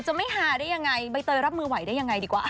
จะไม่ฮาได้ยังไงใบเตยรับมือไหวได้ยังไงดีกว่า